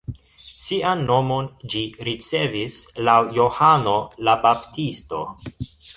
Sian nomon ĝi ricevis laŭ Johano la Baptisto.